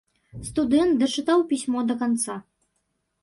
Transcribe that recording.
Студэнт дачытаў пісьмо да канца.